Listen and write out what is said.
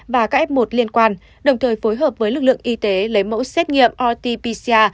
và các f một liên quan đồng thời phối hợp với lực lượng y tế lấy mẫu xét nghiệm rt pcr